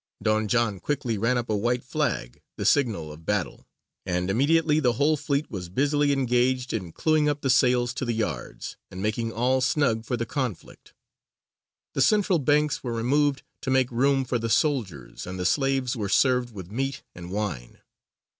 Don John quickly ran up a white flag, the signal of battle, and immediately the whole fleet was busily engaged in clewing up the sails to the yards, and making all snug for the conflict. The central banks were removed to make room for the soldiers, and the slaves were served with meat and wine.